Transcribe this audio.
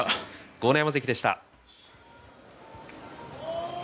豪ノ山関でした。